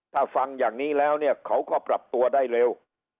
ถ้าฟังอย่างนี้แล้วเนี่ยเขาก็ปรับตัวได้เร็ว